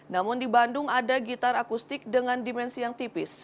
namun di bandung ada gitar akustik dengan dimensi yang tipis